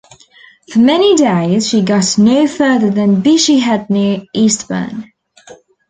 For many days she got no further than Beachy Head near Eastbourne.